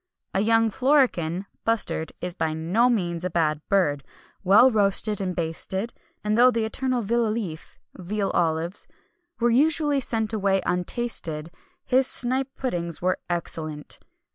A young florican (bustard) is by no means a bad bird, well roasted and basted; and though the eternal vilolif (veal olives) were usually sent away untasted, his snipe puddings were excellent.